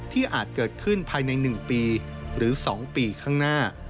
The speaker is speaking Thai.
อาจเกิดขึ้นภายใน๑ปีหรือ๒ปีข้างหน้า